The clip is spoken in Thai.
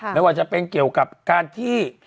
ไม่ว่าจะเป็นเกี่ยวกับการที่